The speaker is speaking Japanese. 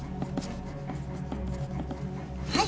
はい！